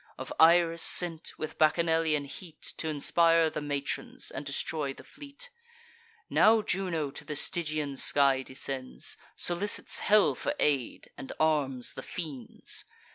Of Iris sent, with Bacchanalian heat T' inspire the matrons, and destroy the fleet? Now Juno to the Stygian sky descends, Solicits hell for aid, and arms the fiends.